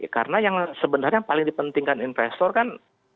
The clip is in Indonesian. karena yang sebenarnya paling dipentingkan investor kan